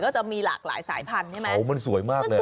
ก็จะมีหลากหลายสายพันธุ์มันสวยมากเลย